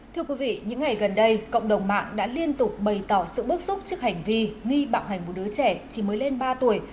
thưa quý vị những ngày gần đây cộng đồng mạng đã liên tục bày tỏ sự bức xúc trước hành vi nghi bạo hành một đứa trẻ chỉ mới lên ba tuổi